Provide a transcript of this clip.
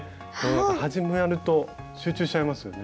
始まると集中しちゃいますよね。